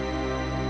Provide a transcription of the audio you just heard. kepala kota jepang